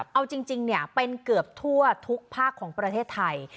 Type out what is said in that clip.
เอาจริงเป็นเกือบทั่วทุกภาคของประเทศไทย